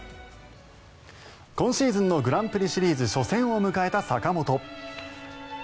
今シーズンのグランプリシリーズ初戦を迎えた坂本。